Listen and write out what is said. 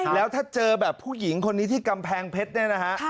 แล้วถ้าเจอแบบผู้หญิงคนนี้ที่กำแพงเพชรเนี่ยนะฮะ